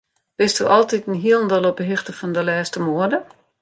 Bisto altiten hielendal op 'e hichte fan de lêste moade?